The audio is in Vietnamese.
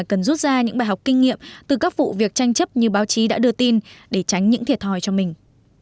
người mua nhà cần rút ra những bài học kinh nghiệm từ các vụ việc tranh chấp như báo chí đã đưa tin để tránh những thiệt hòi cho mình